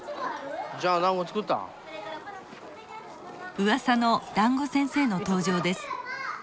うわさのだんご先生の登場です。